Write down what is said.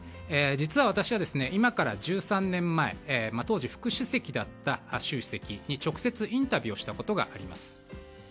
実は私は今から１３年前当時副主席だった習主席に直接、インタビューをしたことがあります。